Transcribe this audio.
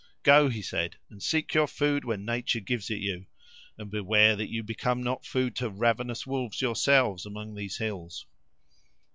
"Go," he said, "and seek your food where natur' gives it to you; and beware that you become not food to ravenous wolves yourselves, among these hills."